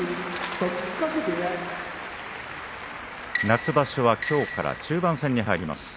夏場所はきょうから中盤戦に入ります。